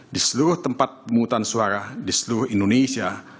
di seluruh tempat pemungutan suara di seluruh indonesia